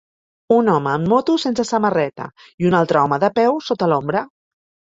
Un home en moto sense samarreta i un altre home de peu sota l'ombra.